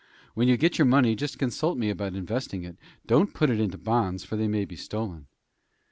When you get your money, just consult me about investing it. Don't put it into bonds, for they may be stolen."